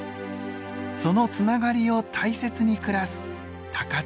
そのつながりを大切に暮らす高千穂です。